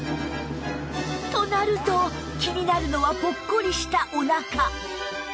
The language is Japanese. となると気になるのはポッコリしたお腹